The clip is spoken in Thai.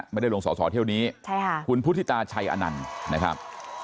ไม่ได้ลงสอสอเที่ยวนี้ใช่ค่ะคุณพุทธิตาชัยอนันต์นะครับ